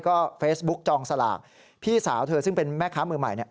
ก็เฟซบุ๊กจองสลากพี่สาวเธอซึ่งเป็นแม่ค้ามือใหม่เนี่ย